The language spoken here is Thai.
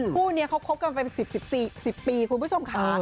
คู่นี้เขาคบกันเป็น๑๐ปีคุณผู้ชมค่ะ